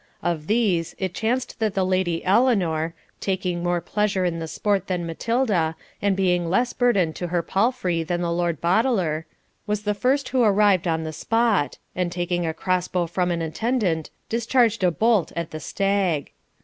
Of these, it chanced that the Lady Eleanor, taking more pleasure in the sport than Matilda, and being a less burden to her palfrey than the Lord Boteler, was the first who arrived at the spot, and taking a cross bow from an attendant, discharged a bolt at the stag.